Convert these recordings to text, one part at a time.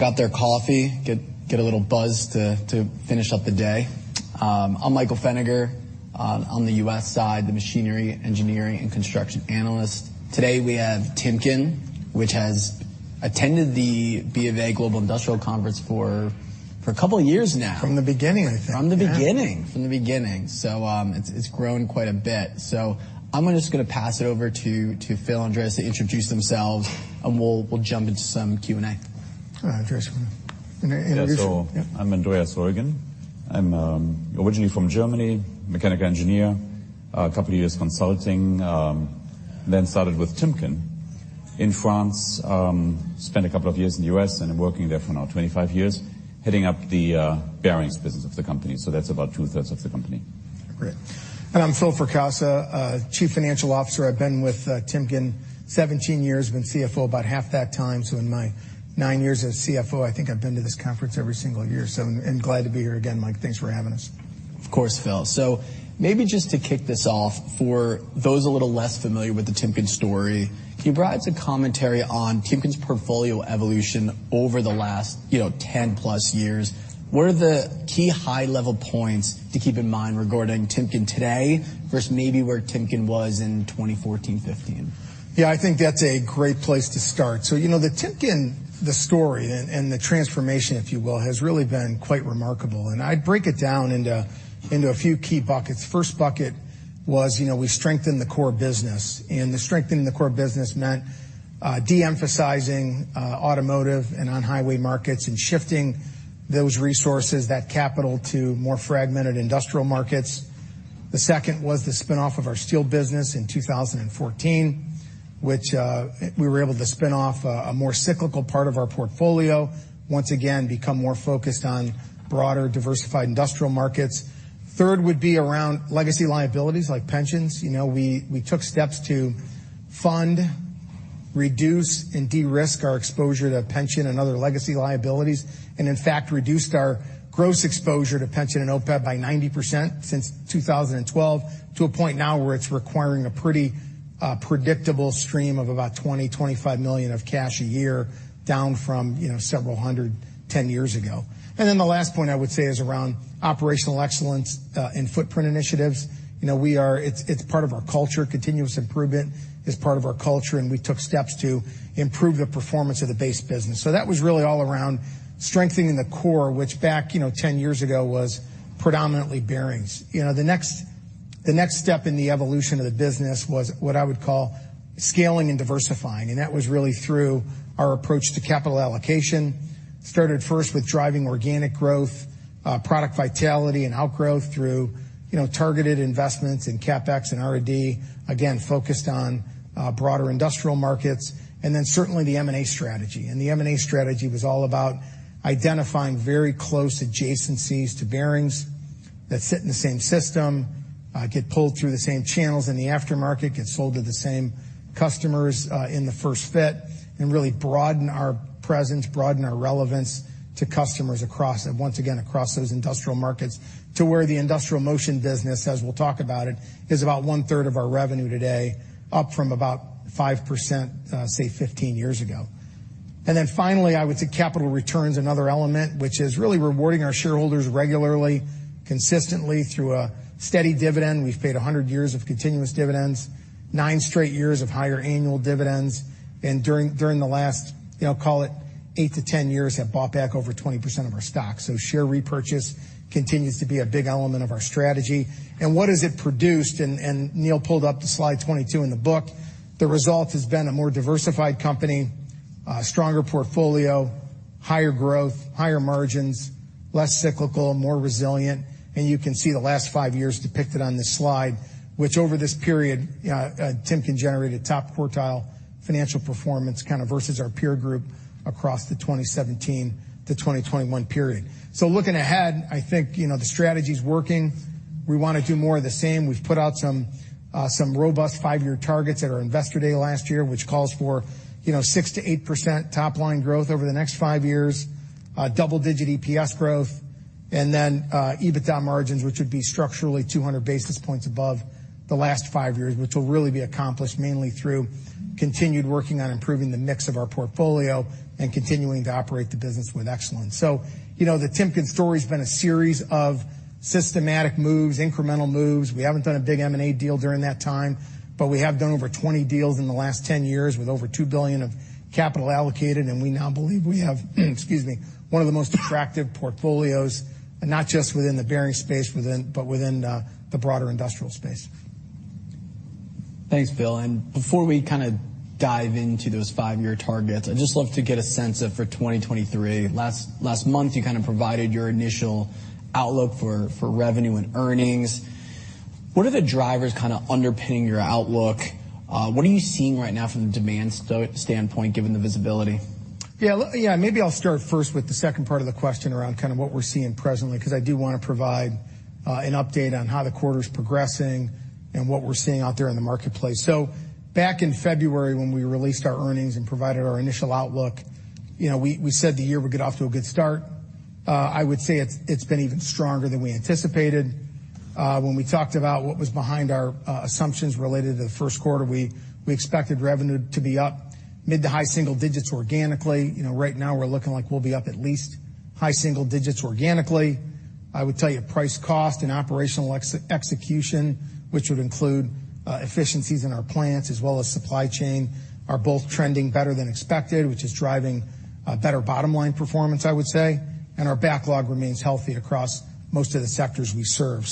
Got their coffee. Get a little buzz to finish up the day. I'm Michael Feniger on the U.S. side, the Machinery, Engineering & Construction Analyst. Today we have Timken, which has attended the BofA Global Research Global Industrials Conference for a couple years now. From the beginning, I think. Yeah. From the beginning. It's grown quite a bit. I'm just gonna pass it over to Phil and Andreas to introduce themselves, and we'll jump into some Q&A. All right. Andreas, wanna introduce I'm Andreas Roellgen. I'm originally from Germany, mechanical engineer, a couple of years consulting, started with Timken in France. Spent a couple of years in the U.S., working there for now 25 years, heading up the bearings business of the company. That's 2/3 of the company. Great. I'm Philip Fracassa, Chief Financial Officer. I've been with Timken 17 years, been CFO about half that time. In my nine years as CFO, I think I've been to this conference every single year. Glad to be here again, Mike. Thanks for having us. Of course, Phil. Maybe just to kick this off, for those a little less familiar with the Timken story, can you provide us a commentary on Timken's portfolio evolution over the last, you know, 10+ years? What are the key high-level points to keep in mind regarding Timken today versus maybe where Timken was in 2014, 2015? I think that's a great place to start. You know, the Timken, the story and the transformation, if you will, has really been quite remarkable. I'd break it down into a few key buckets. First bucket was, you know, we strengthened the core business, and the strengthening the core business meant de-emphasizing automotive and on-highway markets and shifting those resources, that capital to more fragmented industrial markets. The second was the spin-off of our steel business in 2014, which we were able to spin off a more cyclical part of our portfolio. Once again, become more focused on broader diversified industrial markets. Third would be around legacy liabilities like pensions. You know, we took steps to fund, reduce, and de-risk our exposure to pension and other legacy liabilities. In fact reduced our gross exposure to pension and OPEB by 90% since 2012 to a point now where it's requiring a pretty predictable stream of about $20 million-$25 million of cash a year, down from, you know, several hundred 10 years ago. The last point I would say is around operational excellence and footprint initiatives. You know, it's part of our culture. Continuous improvement is part of our culture, and we took steps to improve the performance of the base business. That was really all around strengthening the core, which back, you know, 10 years ago was predominantly bearings. You know, the next step in the evolution of the business was what I would call scaling and diversifying, and that was really through our approach to capital allocation. Started first with driving organic growth, product vitality and outgrowth through, you know, targeted investments in CapEx and R&D, again, focused on broader industrial markets. Certainly the M&A strategy. The M&A strategy was all about identifying very close adjacencies to bearings that sit in the same system, get pulled through the same channels in the aftermarket, get sold to the same customers, in the first fit, and really broaden our presence, broaden our relevance to customers across, and once again, across those industrial markets to where the Industrial Motion business, as we'll talk about it, is about 1/3 of our revenue today, up from about 5%, say 15 years ago. Finally, I would say capital return is another element which is really rewarding our shareholders regularly, consistently through a steady dividend. We've paid 100 years of continuous dividends, nine straight years of higher annual dividends. During the last, you know, call it eight to 10 years, have bought back over 20% of our stock. Share repurchase continues to be a big element of our strategy. What has it produced? Neil pulled up the slide 22 in the book. The result has been a more diversified company, stronger portfolio, higher growth, higher margins, less cyclical, more resilient. You can see the last five years depicted on this slide, which over this period, Timken generated top quartile financial performance kind of versus our peer group across the 2017 to 2021 period. Looking ahead, I think, you know, the strategy's working. We wanna do more of the same. We've put out some robust five-year targets at our Investor Day last year, which calls for, you know, 6%-8% top line growth over the next five years, double-digit EPS growth, and then, EBITDA margins, which would be structurally 200 basis points above the last five years, which will really be accomplished mainly through continued working on improving the mix of our portfolio and continuing to operate the business with excellence. You know, The Timken story's been a series of systematic moves, incremental moves. We haven't done a big M&A deal during that time, but we have done over 20 deals in the last 10 years with over $2 billion of capital allocated, and we now believe we have, excuse me, one of the most attractive portfolios, not just within the bearing space but within, the broader industrial space. Thanks, Phil. Before we kinda dive into those five-year targets, I'd just love to get a sense of for 2023. Last month, you kind of provided your initial outlook for revenue and earnings. What are the drivers kinda underpinning your outlook? What are you seeing right now from the demand standpoint, given the visibility? Yeah. Let Yeah. Maybe I'll start first with the second part of the question around kinda what we're seeing presently, 'cause I do wanna provide an update on how the quarter's progressing and what we're seeing out there in the marketplace. Back in February when we released our earnings and provided our initial outlook, you know, we said the year would get off to a good start. I would say it's been even stronger than we anticipated. When we talked about what was behind our assumptions related to the first quarter, we expected revenue to be up mid-to-high single digits organically. You know, right now we're looking like we'll be up at least high single digits organically. I would tell you price cost and operational execution, which would include efficiencies in our plants as well as supply chain, are both trending better than expected, which is driving better bottom line performance I would say. Our backlog remains healthy across most of the sectors we serve.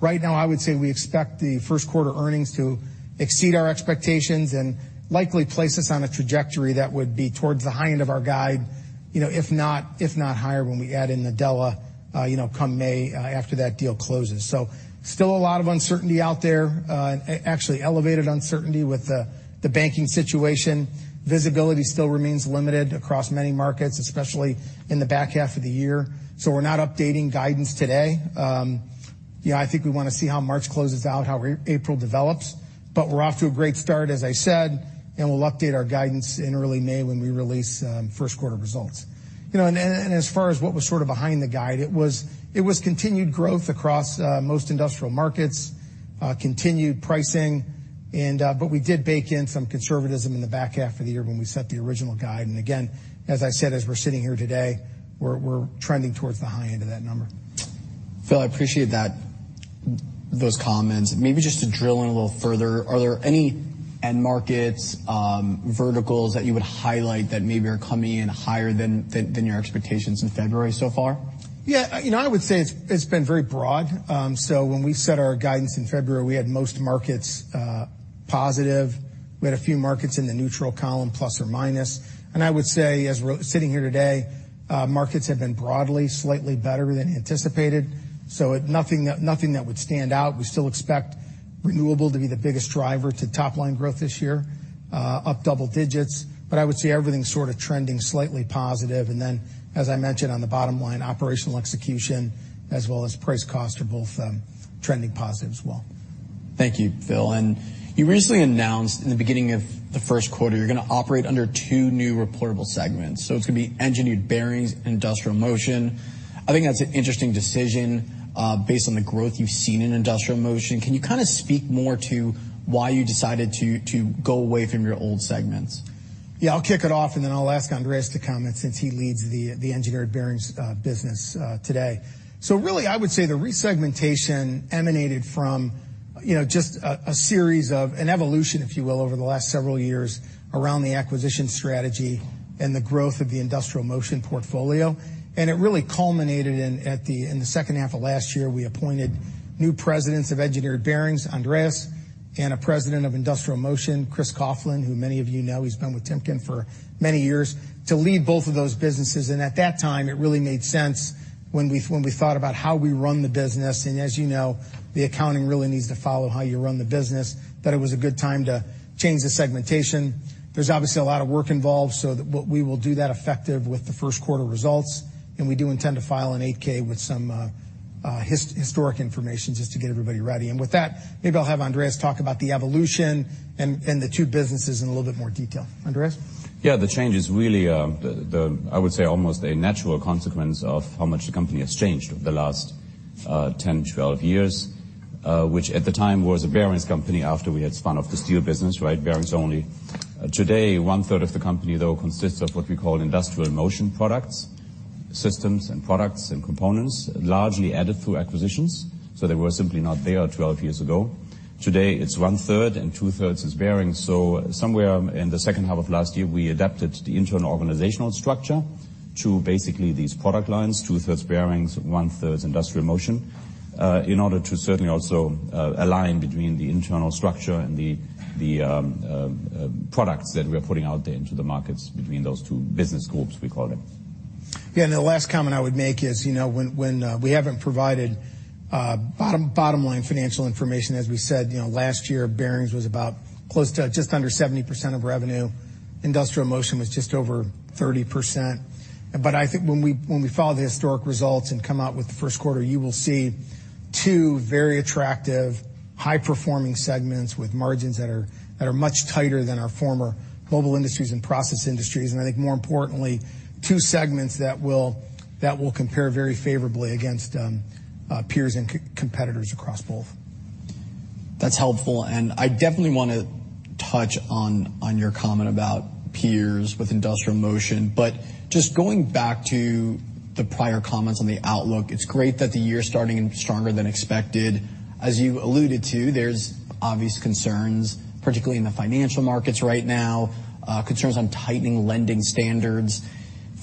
Right now I would say we expect the first quarter earnings to exceed our expectations and likely place us on a trajectory that would be towards the high end of our guide, you know, if not higher when we add in Nadella, you know, come May after that deal closes. Still a lot of uncertainty out there. Actually elevated uncertainty with the banking situation. Visibility still remains limited across many markets, especially in the back half of the year. We're not updating guidance today. You know, I think we wanna see how March closes out, how April develops. We're off to a great start, as I said, and we'll update our guidance in early May when we release, first quarter results. You know, and as far as what was sort of behind the guide, it was continued growth across most industrial markets, continued pricing, but we did bake in some conservatism in the back half of the year when we set the original guide. Again, as I said, as we're sitting here today, we're trending towards the high end of that number. Phil, I appreciate that, those comments. Maybe just to drill in a little further, are there any end markets, verticals that you would highlight that maybe are coming in higher than your expectations in February so far? Yeah. You know, I would say it's been very broad. When we set our guidance in February, we had most markets positive. We had a few markets in the neutral column, plus or minus. I would say as we're sitting here today, markets have been broadly slightly better than anticipated, nothing that would stand out. We still expect renewable to be the biggest driver to top line growth this year, up double digits. I would say everything's sort of trending slightly positive. As I mentioned on the bottom line, operational execution as well as price cost are both trending positive as well. Thank you, Phil. You recently announced in the beginning of the first quarter you're gonna operate under two new reportable segments, it's gonna be Engineered Bearings and Industrial Motion. I think that's an interesting decision, based on the growth you've seen in Industrial Motion. Can you kind of speak more to why you decided to go away from your old segments? Yeah. I'll kick it off, and then I'll ask Andreas to comment since he leads the Engineered Bearings business today. Really I would say the resegmentation emanated from, you know, just a series of an evolution, if you will, over the last several years around the acquisition strategy and the growth of the Industrial Motion portfolio. It really culminated in the second half of last year. We appointed new Presidents of Engineered Bearings, Andreas, and a President of Industrial Motion, Chris Coughlin, who many of you know. He's been with Timken for many years, to lead both of those businesses. At that time it really made sense when we, when we thought about how we run the business. As you know, the accounting really needs to follow how you run the business, that it was a good time to change the segmentation. There's obviously a lot of work involved, so what we will do that effective with the first quarter results. We do intend to file an 8-K with some historic information just to get everybody ready. With that, maybe I'll have Andreas talk about the evolution and the two businesses in a little bit more detail. Andreas? Yeah. The change is really, I would say almost a natural consequence of how much the company has changed over the last 10, 12 years, which at the time was a bearings company after we had spun off the steel business, right? Bearings only. Today, 1/3 of the company, though, consists of what we call Industrial Motion products, systems and products and components, largely added through acquisitions. They were simply not there 12 years ago. Today, it's 1/3, and 2/3 is Bearings. Somewhere in the second half of last year, we adapted the internal organizational structure to basically these product lines, 2/3 Bearings, 1/3 Industrial Motion, in order to certainly also align between the internal structure and the products that we're putting out there into the markets between those two business groups we call them. Yeah. The last comment I would make is, you know, when we haven't provided bottom line financial information, as we said, you know, last year Bearings was about close to just under 70% of revenue. Industrial Motion was just over 30%. I think when we file the historic results and come out with the first quarter, you will see two very attractive, high-performing segments with margins that are much tighter than our former Mobile Industries and Process Industries. I think more importantly, two segments that will compare very favorably against peers and competitors across both. That's helpful. I definitely wanna touch on your comment about peers with Industrial Motion. Just going back to the prior comments on the outlook, it's great that the year's starting in stronger than expected. As you alluded to, there's obvious concerns, particularly in the financial markets right now, concerns on tightening lending standards.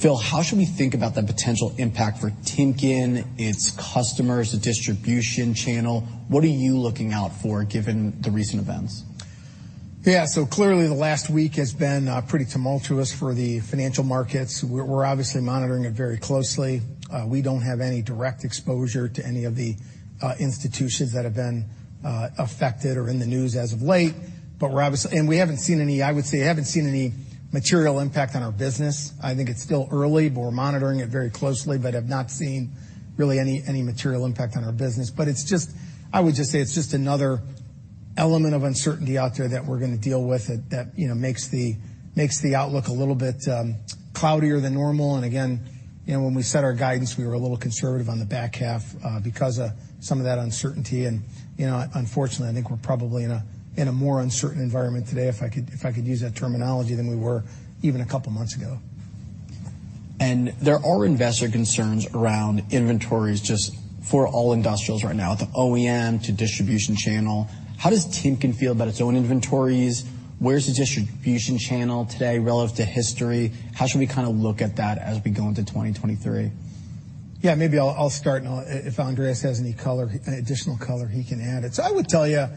Phil, how should we think about the potential impact for Timken, its customers, the distribution channel? What are you looking out for given the recent events? Yeah. Clearly the last week has been pretty tumultuous for the financial markets. We're obviously monitoring it very closely. We don't have any direct exposure to any of the institutions that have been affected or in the news as of late. I would say I haven't seen any material impact on our business. I think it's still early. We're monitoring it very closely but have not seen really any material impact on our business. I would just say it's just another element of uncertainty out there that we're gonna deal with that, you know, makes the, makes the outlook a little bit cloudier than normal. Again, you know, when we set our guidance, we were a little conservative on the back half because of some of that uncertainty. You know, unfortunately, I think we're probably in a more uncertain environment today, if I could use that terminology, than we were even a couple months ago. There are investor concerns around inventories just for all industrials right now, the OEM to distribution channel. How does Timken feel about its own inventories? Where's the distribution channel today relative to history? How should we kind of look at that as we go into 2023? Maybe I'll start and If Andreas has any color, any additional color, he can add it. I would tell you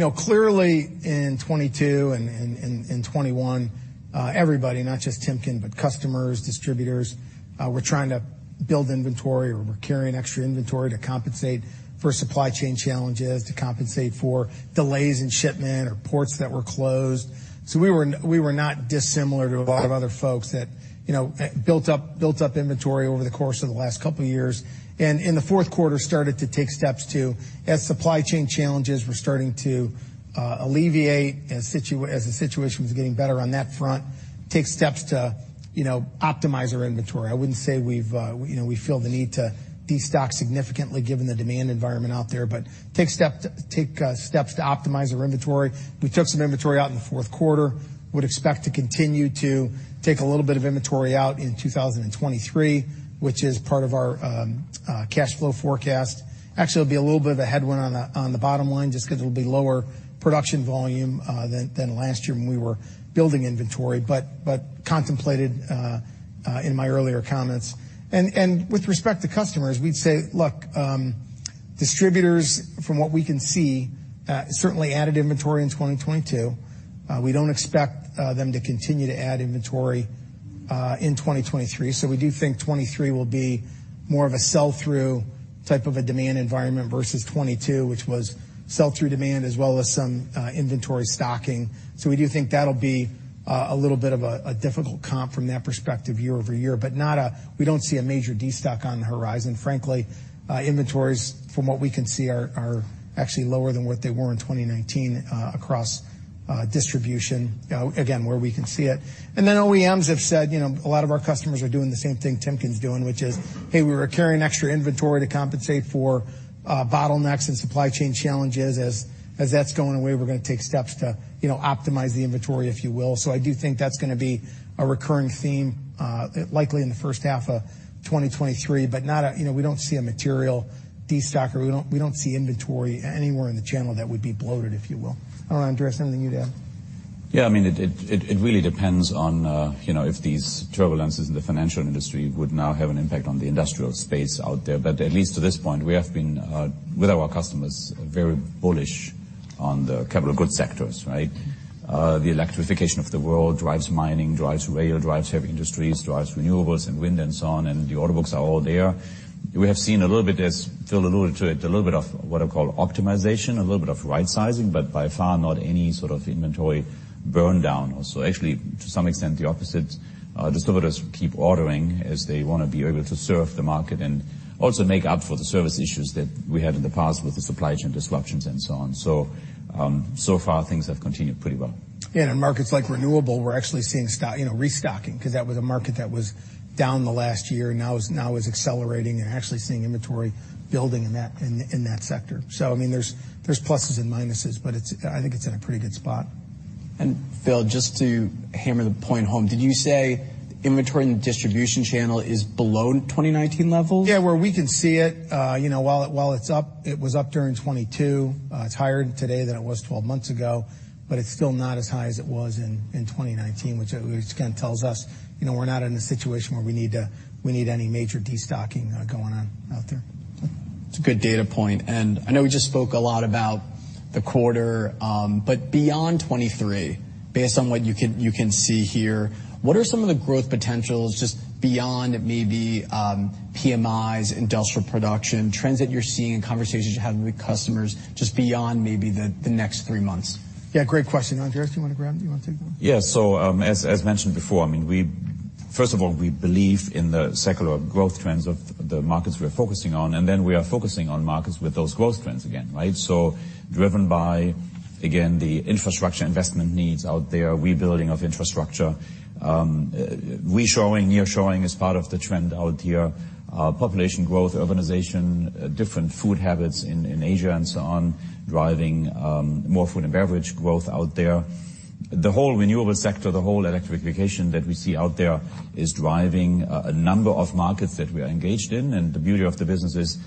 know, clearly in 2022 and 2021, everybody, not just Timken, but customers, distributors, were trying to build inventory or were carrying extra inventory to compensate for supply chain challenges, to compensate for delays in shipment or ports that were closed. We were not dissimilar to a lot of other folks that, you know, built up inventory over the course of the last couple years. In the fourth quarter, started to take steps to, as supply chain challenges were starting to alleviate, as the situation was getting better on that front, take steps to, you know, optimize our inventory. I wouldn't say we've, you know, we feel the need to destock significantly given the demand environment out there, but take steps to optimize our inventory. We took some inventory out in the fourth quarter. Would expect to continue to take a little bit of inventory out in 2023, which is part of our cash flow forecast. Actually, it'll be a little bit of a headwind on the bottom line just 'cause it'll be lower production volume than last year when we were building inventory. Contemplated in my earlier comments. With respect to customers, we'd say, look, distributors from what we can see, certainly added inventory in 2022. We don't expect them to continue to add inventory in 2023. We do think 2023 will be more of a sell-through type of a demand environment versus 2022, which was sell-through demand as well as some inventory stocking. We do think that'll be a little bit of a difficult comp from that perspective year-over-year. Not we don't see a major destock on the horizon. Frankly, inventories from what we can see are actually lower than what they were in 2019 across distribution again, where we can see it. OEMs have said, you know, a lot of our customers are doing the same thing Timken's doing, which is, "Hey, we were carrying extra inventory to compensate for bottlenecks and supply chain challenges. As that's going away, we're gonna take steps to, you know, optimize the inventory," if you will. I do think that's gonna be a recurring theme, likely in the first half of 2023. Not you know, we don't see a material destocker. We don't see inventory anywhere in the channel that would be bloated, if you will. I don't know, Andreas, anything you'd add? Yeah, I mean, it really depends on, you know, if these turbulences in the financial industry would now have an impact on the industrial space out there. At least to this point, we have been with our customers, very bullish on the capital goods sectors, right? The electrification of the world drives mining, drives rail, drives heavy industries, drives renewables and wind and so on, and the order books are all there. We have seen a little bit, as Phil alluded to it, a little bit of what I call optimization, a little bit of rightsizing, but by far not any sort of inventory burn down or so. To some extent the opposite. Distributors keep ordering as they wanna be able to serve the market and also make up for the service issues that we had in the past with the supply chain disruptions and so on. So far things have continued pretty well. In markets like renewable, we're actually seeing stock, you know, restocking, because that was a market that was down the last year, now is accelerating and actually seeing inventory building in that sector. I mean, there's pluses and minuses, but it's I think it's in a pretty good spot. Phil, just to hammer the point home, did you say inventory in the distribution channel is below 2019 levels? Where we can see it. You know, while it's up, it was up during 2022. It's higher today than it was 12 months ago, but it's still not as high as it was in 2019, which kinda tells us, you know, we're not in a situation where we need any major destocking going on out there. It's a good data point. I know we just spoke a lot about the quarter, but beyond 2023, based on what you can see here, what are some of the growth potentials just beyond maybe, PMIs, industrial production, trends that you're seeing and conversations you're having with customers just beyond maybe the next three months? Yeah, great question. Andreas, do you wanna take that? As mentioned before, I mean, first of all, we believe in the secular growth trends of the markets we're focusing on, and then we are focusing on markets with those growth trends again, right? Driven by, again, the infrastructure investment needs out there, rebuilding of infrastructure. Reshoring, nearshoring is part of the trend out here. Population growth, urbanization, different food habits in Asia and so on driving more food and beverage growth out there. The whole renewable sector, the whole electrification that we see out there is driving a number of markets that we are engaged in. The beauty of the business is,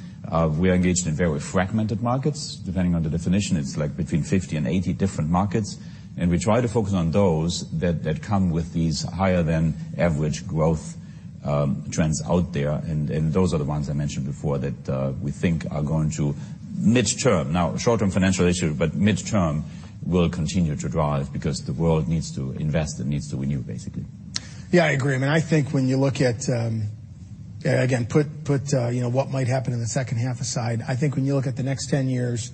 we are engaged in very fragmented markets. Depending on the definition, it's like between 50 and 80 different markets, and we try to focus on those that come with these higher than average growth, trends out there. Those are the ones I mentioned before that, we think are going to midterm. Now, short-term financial issue, but midterm will continue to drive because the world needs to invest, it needs to renew, basically. Yeah, I agree. I mean, I think when you look at, again, put, you know, what might happen in the second half aside, I think when you look at the next 10 years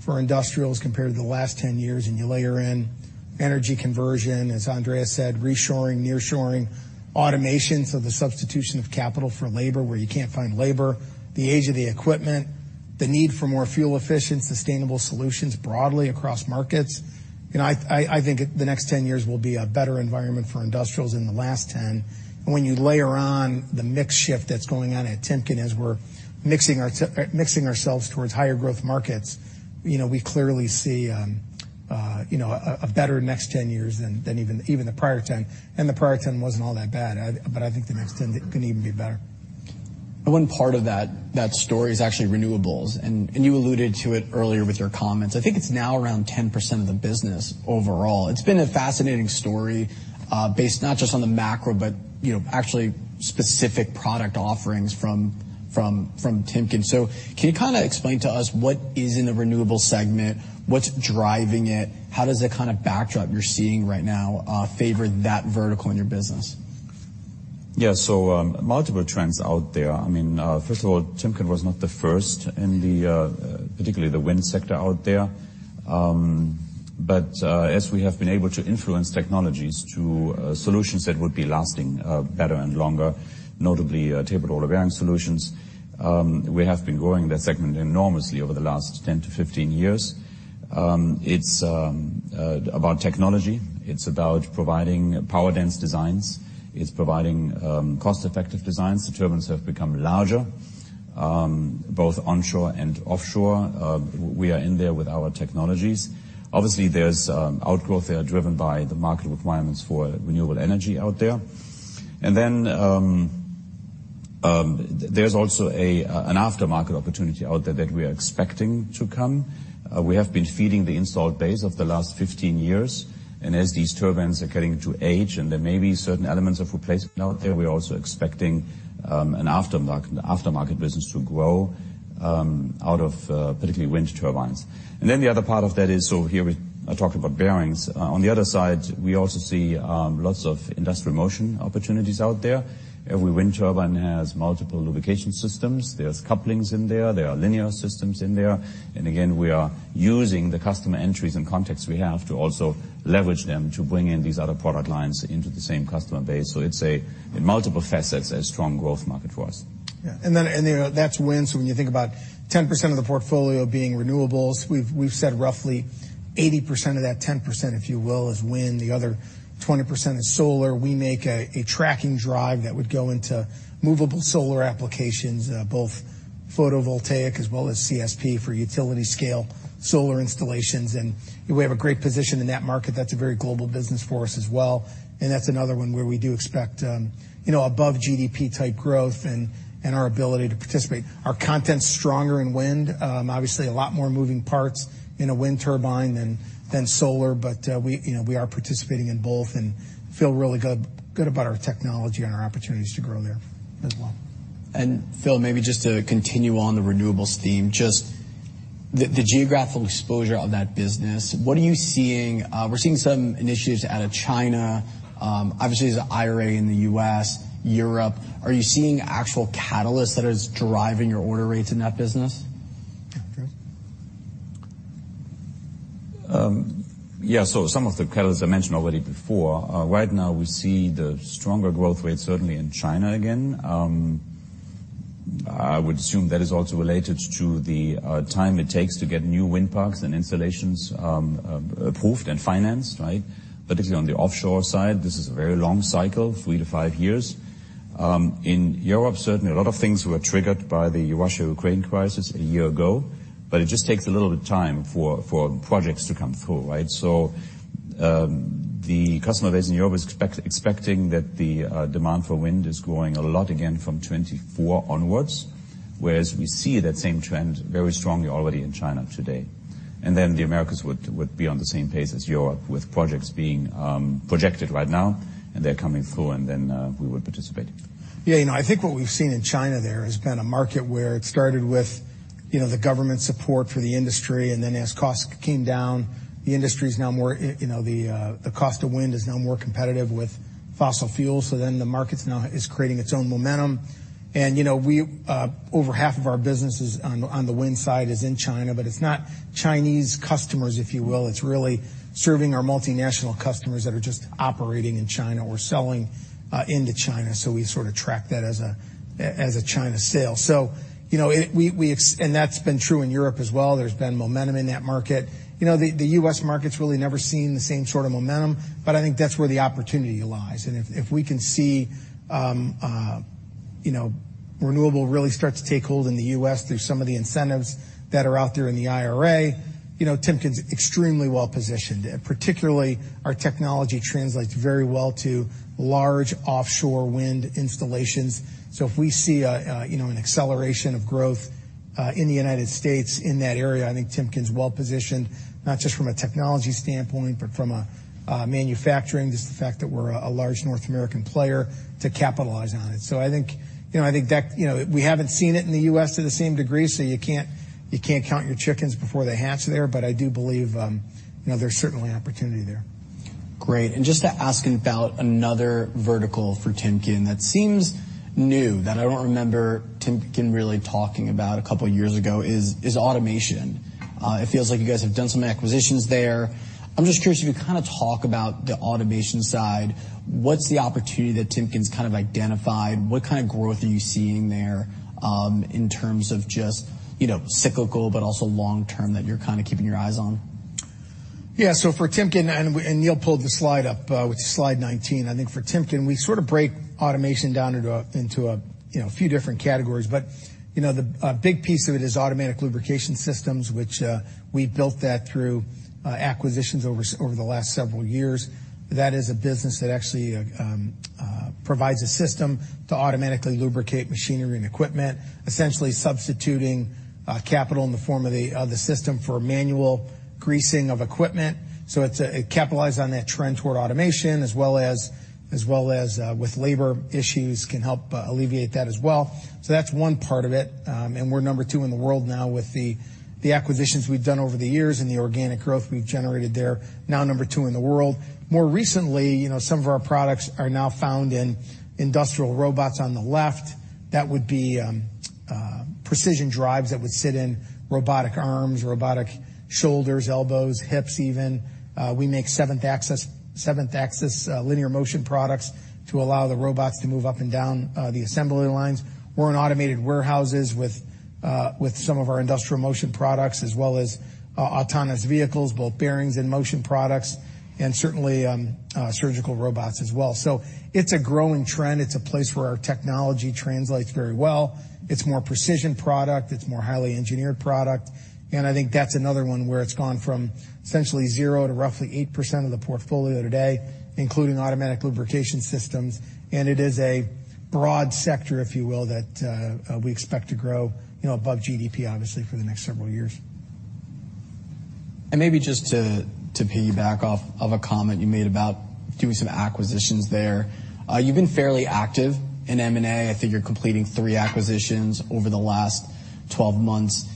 for industrials compared to the last 10 years, and you layer in energy conversion, as Andreas said, reshoring, nearshoring, automation, so the substitution of capital for labor, where you can't find labor, the age of the equipment. The need for more fuel efficient, sustainable solutions broadly across markets. You know, I think the next 10 years will be a better environment for industrials in the last 10. When you layer on the mix shift that's going on at Timken as we're mixing ourselves towards higher growth markets, you know, we clearly see, you know, a better next 10 years than even the prior 10. The prior 10 wasn't all that bad. I think the next 10 can even be better. One part of that story is actually renewables, and you alluded to it earlier with your comments. I think it's now around 10% of the business overall. It's been a fascinating story, based not just on the macro, but, you know, actually specific product offerings from Timken. Can you kind of explain to us what is in the renewable segment? What's driving it? How does the kind of backdrop you're seeing right now favor that vertical in your business? Multiple trends out there. I mean, first of all, Timken was not the first in the particularly the wind sector out there. As we have been able to influence technologies to solutions that would be lasting, better and longer, notably tapered roller bearing solutions, we have been growing that segment enormously over the last 10 to 15 years. It's about technology. It's about providing power dense designs. It's providing cost-effective designs. The turbines have become larger, both onshore and offshore. We are in there with our technologies. Obviously, there's outgrowth there driven by the market requirements for renewable energy out there. There's also an aftermarket opportunity out there that we are expecting to come. We have been feeding the installed base of the last 15 years, and as these turbines are getting to age and there may be certain elements of replacement out there, we're also expecting an aftermarket, the aftermarket business to grow out of particularly wind turbines. The other part of that is, here I talked about bearings. On the other side, we also see lots of Industrial Motion opportunities out there. Every wind turbine has multiple lubrication systems. There's couplings in there. There are linear systems in there. We are using the customer entries and contacts we have to also leverage them to bring in these other product lines into the same customer base. It's a, in multiple facets, a strong growth market for us. You know, that's wind, so when you think about 10% of the portfolio being renewables, we've said roughly 80% of that 10%, if you will, is wind. The other 20% is solar. We make a tracking drive that would go into movable solar applications, both photovoltaic as well as CSP for utility scale solar installations. We have a great position in that market. That's a very global business for us as well, and that's another one where we do expect, you know, above GDP type growth and our ability to participate. Our content's stronger in wind. Obviously a lot more moving parts in a wind turbine than solar, we, you know, we are participating in both and feel really good about our technology and our opportunities to grow there as well. Phil, maybe just to continue on the renewables theme, just the geographical exposure of that business, what are you seeing? We're seeing some initiatives out of China, obviously there's the IRA in the U.S., Europe. Are you seeing actual catalysts that is driving your order rates in that business? Yeah. Andreas? Yeah. Some of the catalysts I mentioned already before. Right now we see the stronger growth rate certainly in China again. I would assume that is also related to the time it takes to get new wind parks and installations approved and financed, right? Particularly on the offshore side, this is a very long cycle, three to five years. In Europe, certainly a lot of things were triggered by the Russia-Ukraine crisis a year ago, it just takes a little bit of time for projects to come through, right? The customer base in Europe is expecting that the demand for wind is growing a lot again from 2024 onwards, whereas we see that same trend very strongly already in China today. The Americas would be on the same pace as Europe with projects being projected right now, and they're coming through, and then we would participate. Yeah, you know, I think what we've seen in China there has been a market where it started with, you know, the government support for the industry, and then as costs came down, the industry is now more, you know, the cost of wind is now more competitive with fossil fuels, so then the market now is creating its own momentum. You know, we, over half of our businesses on the wind side is in China, but it's not Chinese customers, if you will. It's really serving our multinational customers that are just operating in China or selling into China. We sort of track that as a, as a China sale. You know, that's been true in Europe as well. There's been momentum in that market. You know, the U.S. market's really never seen the same sort of momentum. I think that's where the opportunity lies. If, if we can see, you know, renewable really start to take hold in the U.S. through some of the incentives that are out there in the IRA, you know, Timken's extremely well-positioned. Particularly, our technology translates very well to large offshore wind installations. If we see, you know, an acceleration of growth in the United States in that area, I think Timken's well-positioned, not just from a technology standpoint, but from a manufacturing, just the fact that we're a large North American player to capitalize on it. I think, you know, I think that, you know, we haven't seen it in the U.S. to the same degree, so you can't count your chickens before they hatch there. I do believe, you know, there's certainly opportunity there. Great. Just asking about another vertical for Timken that seems new, that I don't remember Timken really talking about a couple years ago, is automation. It feels like you guys have done some acquisitions there. I'm just curious if you kind of talk about the automation side. What's the opportunity that Timken's kind of identified? What kind of growth are you seeing there, in terms of just, you know, cyclical, but also long-term that you're kinda keeping your eyes on? Yeah. For Timken, and Neil pulled the slide up, which is slide 19. I think for Timken, we sort of break automation down into a, you know, few different categories. You know, a big piece of it is automatic lubrication systems, which we built that through acquisitions over the last several years. That is a business that actually provides a system to automatically lubricate machinery and equipment, essentially substituting capital in the form of the system for manual greasing of equipment. It's it capitalized on that trend toward automation as well as with labor issues can help alleviate that as well. That's one part of it. We're number two in the world now with the acquisitions we've done over the years and the organic growth we've generated there. Now number in the world. More recently, you know, some of our products are now found in industrial robots on the left. That would be precision drives that would sit in robotic arms, robotic shoulders, elbows, hips even. We make 7th Axis linear motion products to allow the robots to move up and down the assembly lines. We're in automated warehouses with some of our Industrial Motion products as well as autonomous vehicles, both bearings and motion products, and certainly surgical robots as well. It's a growing trend. It's a place where our technology translates very well. It's more precision product. It's more highly engineered product. I think that's another one where it's gone from essentially zero to roughly 8% of the portfolio today, including automatic lubrication systems. It is a broad sector, if you will, that we expect to grow, you know, above GDP obviously for the next several years. Maybe just to piggyback off of a comment you made about doing some acquisitions there. You've been fairly active in M&A. I think you're completing three acquisitions over the last 12 months,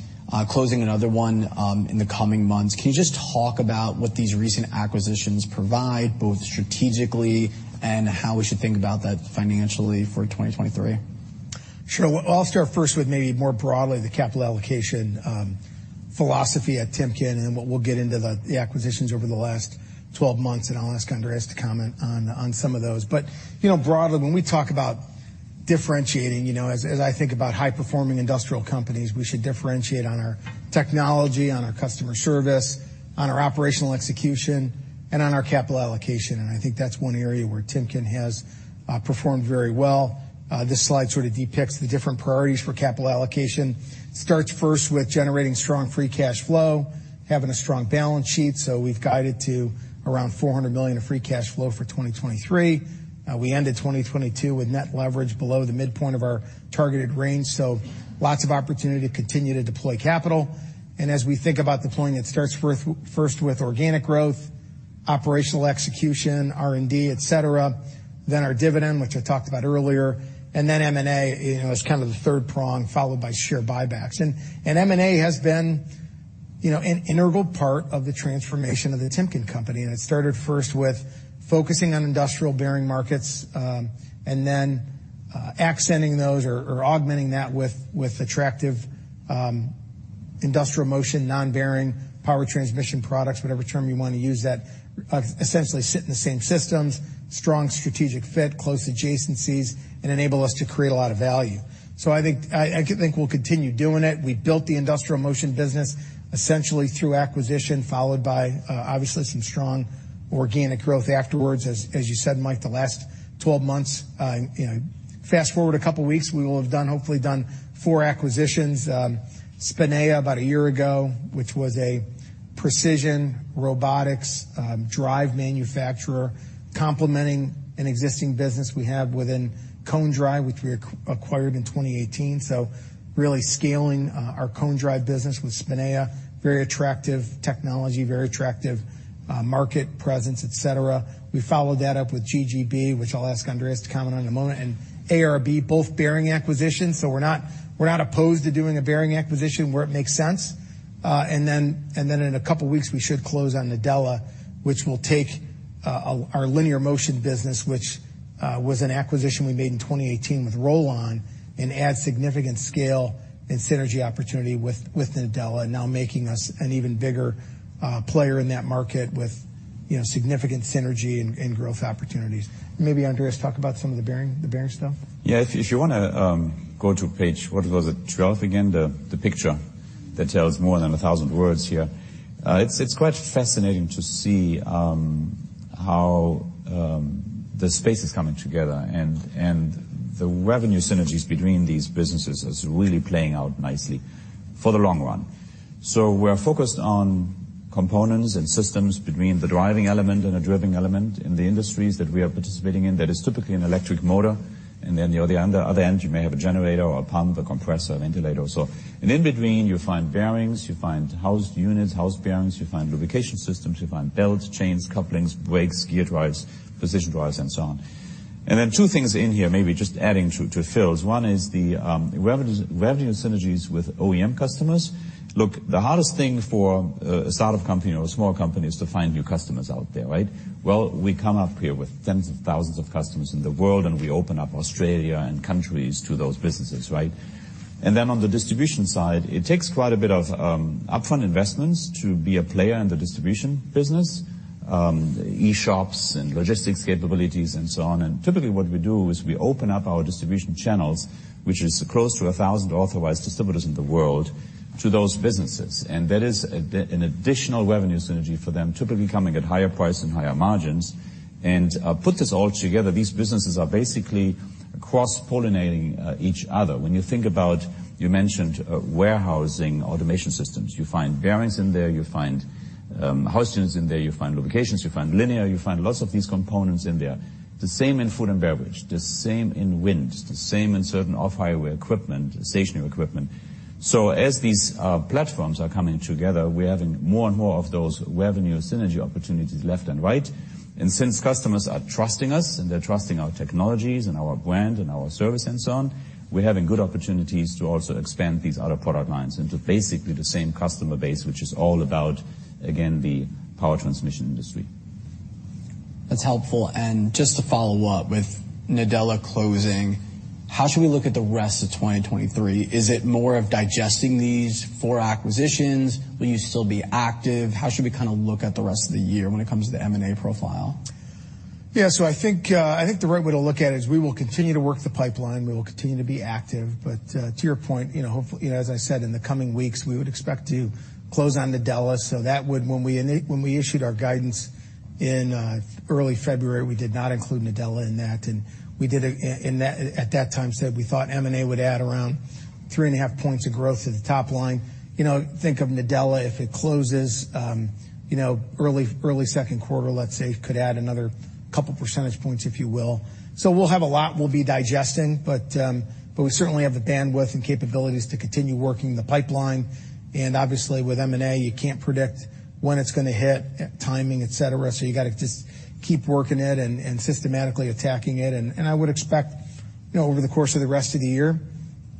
closing another one in the coming months. Can you just talk about what these recent acquisitions provide, both strategically and how we should think about that financially for 2023? Sure. Well, I'll start first with maybe more broadly the capital allocation philosophy at Timken, and then we'll get into the acquisitions over the last 12 months, and I'll ask Andreas to comment on some of those. You know, broadly, when we talk about differentiating, you know, as I think about high-performing industrial companies, we should differentiate on our technology, on our customer service, on our operational execution, and on our capital allocation, and I think that's one area where Timken has performed very well. This slide sort of depicts the different priorities for capital allocation. Starts first with generating strong free cash flow, having a strong balance sheet. We've guided to around $400 million of free cash flow for 2023. We ended 2022 with net leverage below the midpoint of our targeted range, so lots of opportunity to continue to deploy capital. As we think about deploying, it starts first with organic growth, operational execution, R&D, et cetera. Our dividend, which I talked about earlier, and then M&A, you know, as kind of the third prong, followed by share buybacks. M&A has been, you know, an integral part of the transformation of The Timken Company, and it started first with focusing on industrial bearing markets, and then accenting those or augmenting that with attractive Industrial Motion non-bearing power transmission products, whatever term you wanna use that essentially sit in the same systems, strong strategic fit, close adjacencies, and enable us to create a lot of value. I think we'll continue doing it. We built the Industrial Motion business essentially through acquisition, followed by, obviously some strong organic growth afterwards. You said, Mike, the last 12 months, you know, fast-forward a couple weeks, we will have done, hopefully done four acquisitions. Spinea about a year ago, which was a precision robotics, drive manufacturer complementing an existing business we have within Cone Drive, which we acquired in 2018. Really scaling our Cone Drive business with Spinea, very attractive technology, very attractive, market presence, et cetera. We followed that up with GGB, which I'll ask Andreas to comment on in a moment, and ARB, both bearing acquisitions. We're not opposed to doing a bearing acquisition where it makes sense. In a couple weeks we should close on Nadella, which will take our linear motion business, which was an an acquisition we made in 2018 with Rollon, and add significant scale and synergy opportunity with Nadella, now making us an even bigger player in that market with, you know, significant synergy and growth opportunities. Maybe Andreas talk about some of the bearing stuff. Yeah. If you wanna go to page 12 again? The picture that tells more than 1,000 words here. It's quite fascinating to see how the space is coming together and the revenue synergies between these businesses is really playing out nicely for the long run. We're focused on components and systems between the driving element and a driven element in the industries that we are participating in. That is typically an electric motor and then the other end you may have a generator or a pump, a compressor, ventilator or so. In between, you find bearings, you find housed units, housed bearings, you find lubrication systems, you find belts, chains, couplings, brakes, gear drives, precision drives, and so on. Two things in here, maybe just adding to Phil's. One is the revenue synergies with OEM customers. Look, the hardest thing for a startup company or a small company is to find new customers out there, right? Well, we come up here with tens of thousands of customers in the world, and we open up Australia and countries to those businesses, right? Then on the distribution side, it takes quite a bit of upfront investments to be a player in the distribution business. E-shops and logistics capabilities and so on. Typically what we do is we open up our distribution channels, which is close to 1,000 authorized distributors in the world to those businesses. That is an additional revenue synergy for them, typically coming at higher price and higher margins. Put this all together, these businesses are basically cross-pollinating each other. When you think about you mentioned, warehousing automation systems, you find bearings in there, you find housings in there, you find lubrications, you find linear, you find lots of these components in there. The same in food and beverage, the same in wind, the same in certain off-highway equipment, stationary equipment. As these platforms are coming together, we're having more and more of those revenue synergy opportunities left and right. Since customers are trusting us, and they're trusting our technologies and our brand and our service and so on, we're having good opportunities to also expand these other product lines into basically the same customer base, which is all about, again, the power transmission industry. That's helpful. Just to follow up with Nadella closing, how should we look at the rest of 2023? Is it more of digesting these four acquisitions? Will you still be active? How should we kind of look at the rest of the year when it comes to the M&A profile? Yeah. I think the right way to look at it is we will continue to work the pipeline, we will continue to be active. To your point, you know, as I said, in the coming weeks, we would expect to close on Nadella. When we issued our guidance in early February, we did not include Nadella in that. We did at that time said we thought M&A would add around 3.5 points of growth to the top line. You know, think of Nadella, if it closes, you know, early second quarter, let's say, could add another couple percentage points, if you will. We'll have a lot we'll be digesting, we certainly have the bandwidth and capabilities to continue working the pipeline. Obviously with M&A, you can't predict when it's gonna hit, timing, et cetera. You gotta just keep working it and systematically attacking it. I would expect, you know, over the course of the rest of the year,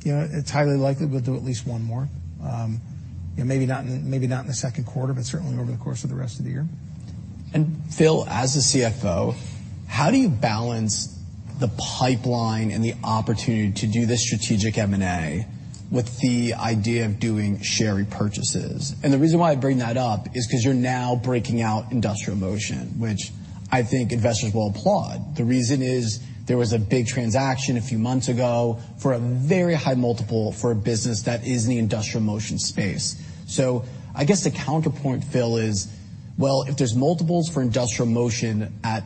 you know, it's highly likely we'll do at least one more. You know, maybe not in the second quarter, but certainly over the course of the rest of the year. Phil, as the CFO, how do you balance the pipeline and the opportunity to do this strategic M&A with the idea of doing share repurchases? The reason why I bring that up is ’cause you're now breaking out Industrial Motion, which I think investors will applaud. The reason is there was a big transaction a few months ago for a very high multiple for a business that is in the Industrial Motion space. I guess the counterpoint, Phil, is, well, if there's multiples for Industrial Motion at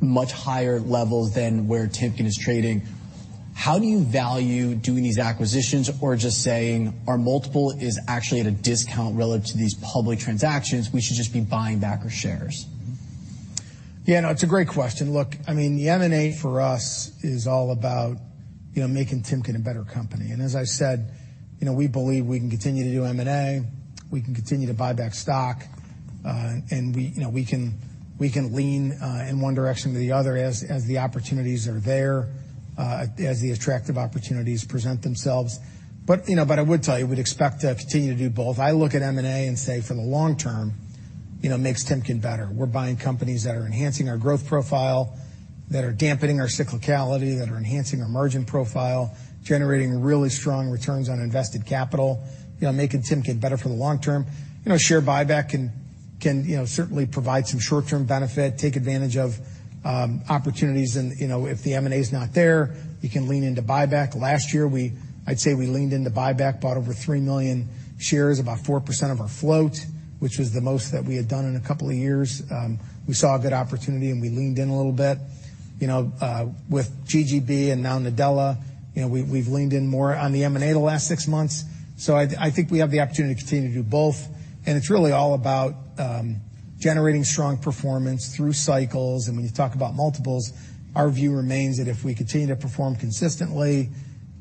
much higher levels than where Timken is trading, how do you value doing these acquisitions or just saying our multiple is actually at a discount relative to these public transactions, we should just be buying back our shares? Yeah, no, it's a great question. Look, I mean, the M&A for us is all about, you know, making Timken a better company. As I said, you know, we believe we can continue to do M&A, we can continue to buy back stock, and we, you know, we can lean in one direction or the other as the opportunities are there, as the attractive opportunities present themselves. I would tell you, we'd expect to continue to do both. I look at M&A and say for the long term, you know, makes Timken better. We're buying companies that are enhancing our growth profile, that are dampening our cyclicality, that are enhancing our margin profile, generating really strong returns on invested capital, you know, making Timken better for the long term. You know, share buyback can, you know, certainly provide some short-term benefit, take advantage of opportunities. You know, if the M&A is not there, you can lean into buyback. Last year, I'd say we leaned into buyback, bought over 3 million shares, about 4% of our float, which was the most that we had done in a couple of years. We saw a good opportunity, and we leaned in a little bit. You know, with GGB and now Nadella, you know, we've leaned in more on the M&A the last six months. I think we have the opportunity to continue to do both. It's really all about generating strong performance through cycles. When you talk about multiples, our view remains that if we continue to perform consistently,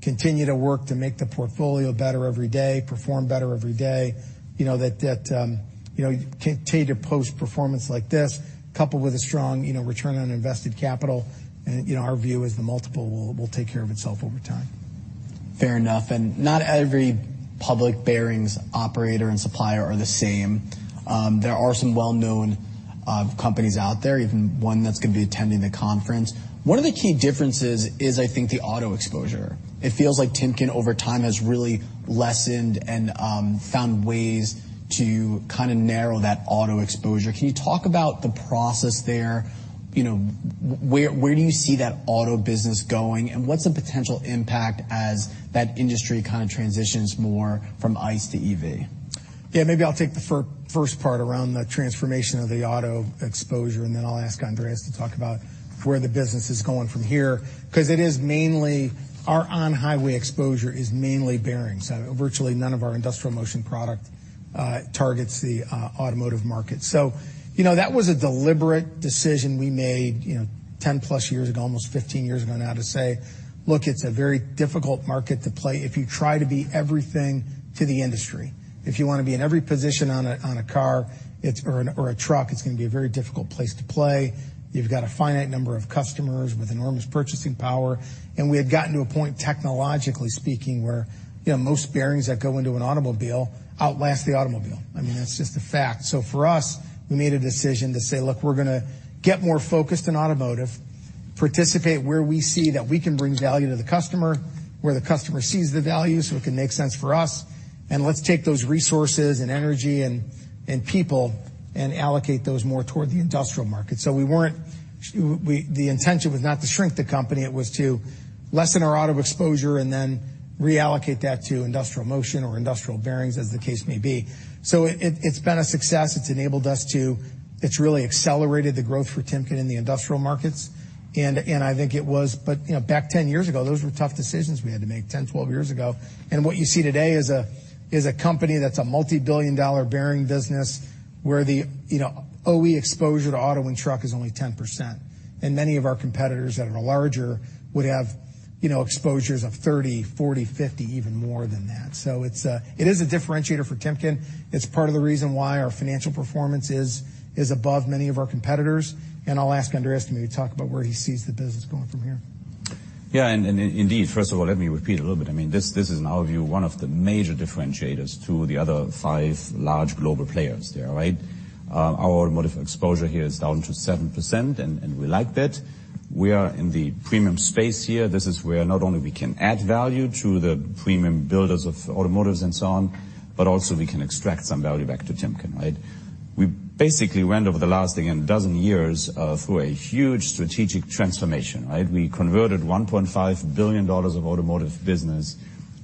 continue to work to make the portfolio better every day, perform better every day, you know, that, you know, continue to post performance like this, coupled with a strong, you know, return on invested capital, and, you know, our view is the multiple will take care of itself over time. Fair enough. Not every public bearings operator and supplier are the same. There are some well-known companies out there, even one that's gonna be attending the conference. One of the key differences is, I think, the auto exposure. It feels like Timken over time has really lessened and found ways to kind of narrow that auto exposure. Can you talk about the process there? You know, where do you see that auto business going? What's the potential impact as that industry kind of transitions more from ICE to EV? Maybe I'll take the first part around the transformation of the auto exposure, then I'll ask Andreas to talk about where the business is going from here. It is mainly our on-highway exposure is mainly bearings. Virtually none of our Industrial Motion product targets the automotive market. You know, that was a deliberate decision we made, you know, 10+ years ago, almost 15 years ago now to say, "Look, it's a very difficult market to play if you try to be everything to the industry. If you want to be in every position on a car, or a truck, it's going to be a very difficult place to play. You've got a finite number of customers with enormous purchasing power." We had gotten to a point technologically speaking, where, you know, most bearings that go into an automobile outlast the automobile. I mean, that's just a fact. For us, we made a decision to say, "Look, we're gonna get more focused in automotive. Participate where we see that we can bring value to the customer, where the customer sees the value, so it can make sense for us, and let's take those resources and energy and people and allocate those more toward the industrial market. The intention was not to shrink the company. It was to lessen our auto exposure and then reallocate that to Industrial Motion or industrial bearings as the case may be. It's been a success. It's enabled us to, It's really accelerated the growth for Timken in the industrial markets. I think it was, you know, back 10 years ago, those were tough decisions we had to make, 10, 12 years ago. What you see today is a company that's a multi-billion dollar bearing business where the, you know, OE exposure to auto and truck is only 10%. Many of our competitors that are larger would have, you know, exposures of 30%, 40%, 50%, even more than that. It's, it is a differentiator for Timken. It's part of the reason why our financial performance is above many of our competitors. I'll ask Andreas to maybe talk about where he sees the business going from here. Indeed, first of all, let me repeat a little bit. I mean, this is, in our view, one of the major differentiators to the other five large global players there, right? Our automotive exposure here is down to 7%. We like that. We are in the premium space here. This is where not only we can add value to the premium builders of automotives and so on, but also we can extract some value back to Timken, right? We basically went over the last, again, dozen years through a huge strategic transformation, right? We converted $1.5 billion of automotive business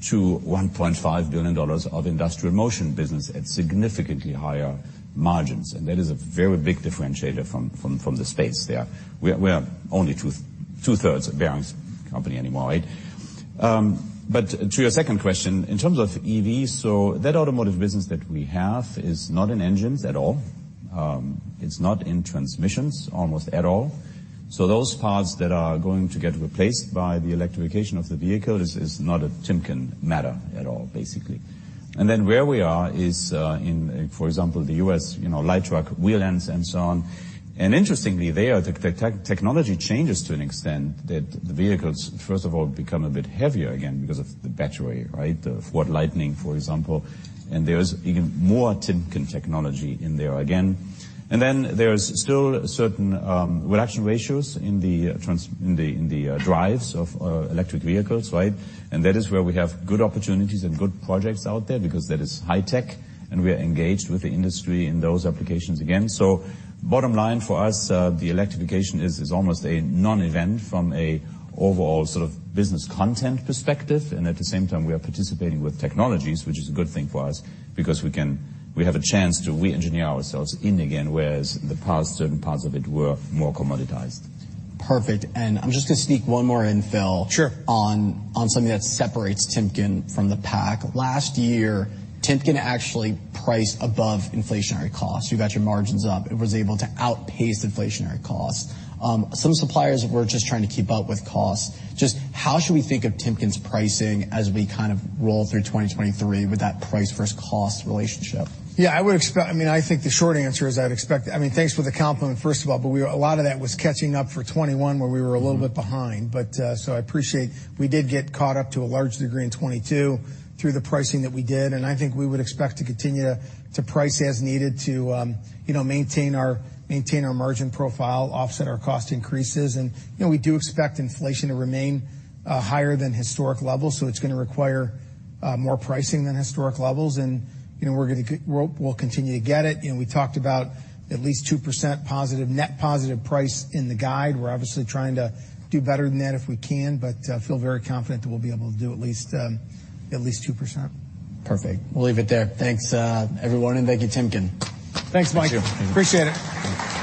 to $1.5 billion of Industrial Motion business at significantly higher margins. That is a very big differentiator from the space there. We are only two-thirds bearings company anymore, right? To your second question, in terms of EVs, that automotive business that we have is not in engines at all. It's not in transmissions almost at all. Those parts that are going to get replaced by the electrification of the vehicle is not a Timken matter at all, basically. Where we are is in, for example, the U.S., you know, light truck, wheel ends and so on. Interestingly there, the technology changes to an extent that the vehicles, first of all, become a bit heavier again because of the battery, right? The Ford Lightning, for example. There's even more Timken technology in there again. There's still certain reduction ratios in the drives of electric vehicles, right? That is where we have good opportunities and good projects out there because that is high tech, and we are engaged with the industry in those applications again. Bottom line for us, the electrification is almost a non-event from an overall sort of business content perspective. At the same time, we are participating with technologies, which is a good thing for us because we have a chance to re-engineer ourselves in again, whereas the parts, certain parts of it were more commoditized. Perfect. I'm just gonna sneak one more in, Phil. Sure. On, on something that separates Timken from the pack. Last year, Timken actually priced above inflationary costs. You got your margins up and was able to outpace inflationary costs. Some suppliers were just trying to keep up with costs. Just how should we think of Timken's pricing as we kind of roll through 2023 with that price versus cost relationship? Yeah, I mean, I think the short answer is I'd expect. I mean, thanks for the compliment, first of all, but a lot of that was catching up for 2021, where we were a little bit behind. I appreciate we did get caught up to a large degree in 2022 through the pricing that we did. I think we would expect to continue to price as needed to, you know, maintain our margin profile, offset our cost increases. You know, we do expect inflation to remain higher than historic levels, so it's going to require more pricing than historic levels. You know, we're going to continue to get it. You know, we talked about at least 2% positive, net positive price in the guide. We're obviously trying to do better than that if we can, but, feel very confident that we'll be able to do at least 2%. Perfect. We'll leave it there. Thanks, everyone, and thank you, Timken. Thanks, Mike. Thank you. Appreciate it.